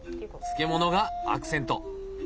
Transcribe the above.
漬物がアクセント。